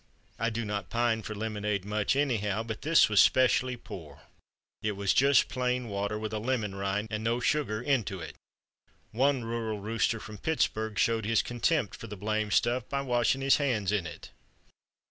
I do not pine for lemonade much, anyhow, but this was specially poor. It was just plain water, with a lemon rind and no sugar into it. "One rural rooster from Pittsburg showed his contempt for the blamed stuff by washing his hands in it.